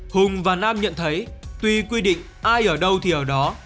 hùng và nam nhận thấy tuy quy định ai ở đâu thì ở đó